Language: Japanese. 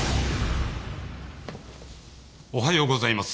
おはようございます。